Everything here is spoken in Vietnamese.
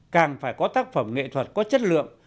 càng phải có tác phẩm nghệ thuật có chất lượng